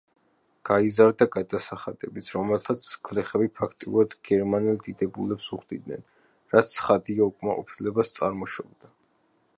გაიზარდა გადასახადებიც, რომელთაც გლეხები ფაქტიურად გერმანელ დიდებულებს უხდიდნენ, რაც ცხადია უკმაყოფილებას წარმოშობდა.